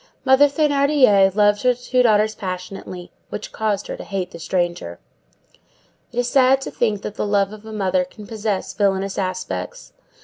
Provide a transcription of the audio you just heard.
Mother Thénardier loved her two daughters passionately, which caused her to hate the stranger. It is sad to think that the love of a mother can possess villainous aspects.